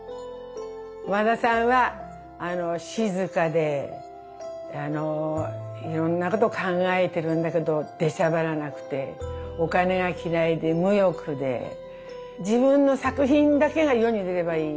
和田さんは静かでいろんなこと考えてるんだけど出しゃばらなくてお金が嫌いで無欲で自分の作品だけが世に出ればいい